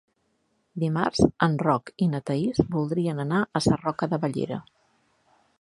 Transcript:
Dimarts en Roc i na Thaís voldrien anar a Sarroca de Bellera.